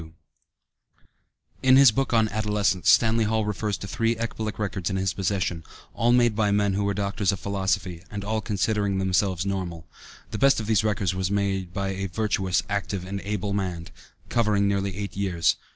52 In his book on Adolescence, Stanley Hall refers to three ecbolic records in his possession, all made by men who were doctors of philosophy, and all considering themselves normal. The best of these records made by "a virtuous, active and able man," covered nearly eight years.